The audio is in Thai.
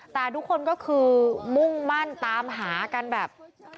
แต่ทุกคนก็คือมุ่งมั่นตามหากันแบบ